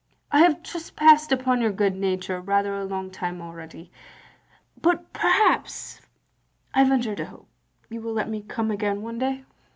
" I have trespassed upon your good nature rather a long time already. But perhaps — I venture to hope — ^you will let me come again one day?"